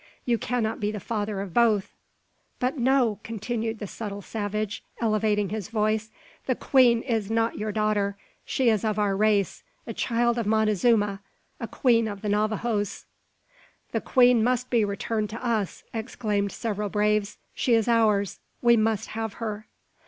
You cannot be the father of both. But no!" continued the subtle savage, elevating his voice, "the queen is not your daughter. She is of our race a child of Montezuma a queen of the Navajoes!" "The queen must be returned to us!" exclaimed several braves; "she is ours; we must have her!"